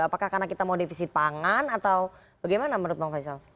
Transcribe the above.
apakah karena kita mau defisit pangan atau bagaimana menurut bang faisal